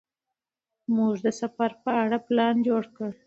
موږ د سفر په اړه پلان جوړ کړ.